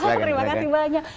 terima kasih banyak